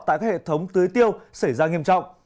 tại các hệ thống tưới tiêu xảy ra nghiêm trọng